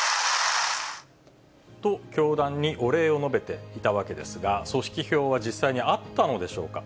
と、教団にお礼を述べていたわけですが、組織票は実際にあったのでしょうか。